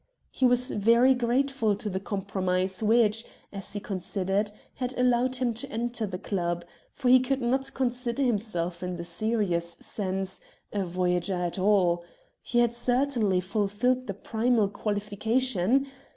He was very grateful to the compromise which, as he considered, had allowed him to enter the club, for he could not consider himself, in the serious sense, a Voyager at all. He had certainly fulfilled the primal qualification.